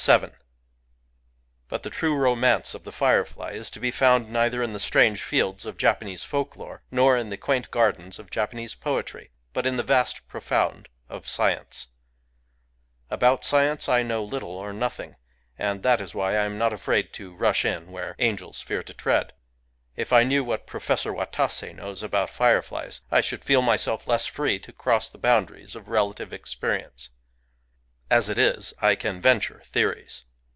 VII But the traexon^ance of the firefly is to be found neither in the strange fields of Japanese folk lore nor in the quaint gardens of Japanese poetry, but in the vast profound of science. About science I know little or nothing. And that is why I am not afraid to rush in where angels fear to tread. If Digitized by Googk FIREFLIES 167 I knew what Professor Watase knows about fire flies, I should feel myself less free to cross the boundaries of relative experience. As it is, I can venture theories.